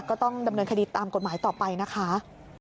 ก็ต้องดำเนินคดีตามกฎหมายต่อไปนะคะ